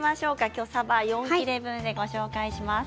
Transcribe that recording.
今日はさば４切れ分でご紹介します。